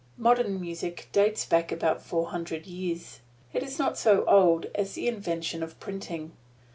Modern music dates back about four hundred years. It is not so old as the invention of printing.